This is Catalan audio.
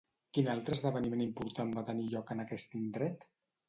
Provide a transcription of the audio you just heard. Quin altre esdeveniment important va tenir lloc en aquest indret?